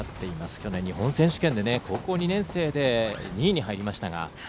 去年日本選手権で高校２年生で２位に入りましたが。